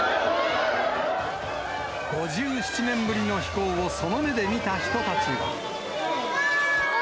５７年ぶりの飛行をその目で見た人たちは。